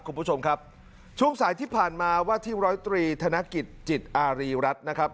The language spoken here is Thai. คุณผู้ชมครับช่วงสายที่ผ่านมาว่าที่ร้อยตรีธนกิจจิตอารีรัฐนะครับ